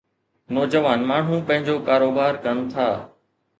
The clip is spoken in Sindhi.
نوجوان ماڻهو پنهنجو ڪاروبار ڪن ٿا